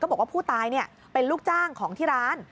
บอกว่าผู้ตายเป็นลูกจ้างของที่ร้าน